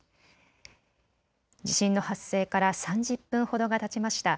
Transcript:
地震の発生から３０分ほどがたちました。